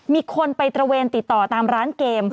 มีคนไปตระเวนติดต่อตามร้านเกม